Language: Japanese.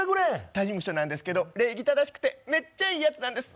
他事務所なんですけど、礼儀正しくてめっちゃいいやつなんです。